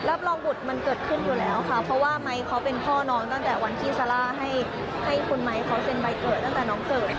รับรองบุตรมันเกิดขึ้นอยู่แล้วค่ะเพราะว่าไมค์เขาเป็นพ่อน้องตั้งแต่วันที่ซาร่าให้คุณไมค์เขาเซ็นใบเกิดตั้งแต่น้องเกิด